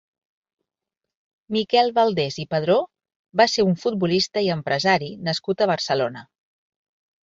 Miquel Valdés i Padró va ser un futbolista i empresari nascut a Barcelona.